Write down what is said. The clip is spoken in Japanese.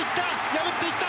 破っていった！